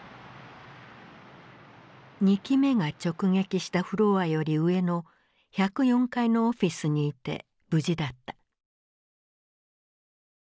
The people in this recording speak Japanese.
２機目が直撃したフロアより上の１０４階のオフィスにいて無事だった。